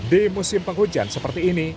di musim penghujan seperti ini